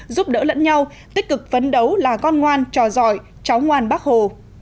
giúp đỡ lẫn nhau tích cực vấn đấu là con ngoan trò giỏi cháu ngoan bác hồ